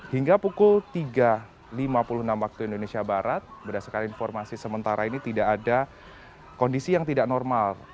hingga pukul tiga lima puluh enam waktu indonesia barat berdasarkan informasi sementara ini tidak ada kondisi yang tidak normal